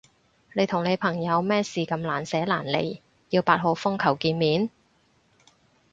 你同你朋友咩事咁難捨難離要八號風球見面？